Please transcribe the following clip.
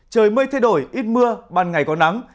trời mây thay đổi ít mưa ban ngày có nắng